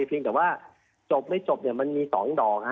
เพียงแต่ว่าจบไม่จบมันมี๒ดอก